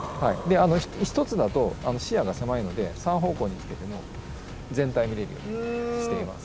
１つだと視野が狭いので３方向につけて全体を見れるようにしています。